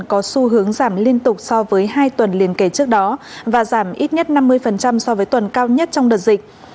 có xu hướng giảm liên tục so với hai tuần liên kể trước đó và giảm ít nhất năm mươi so với tuần cao nhất trong đợt dịch